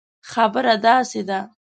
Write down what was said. خبره داسي ده